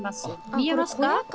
見えますか？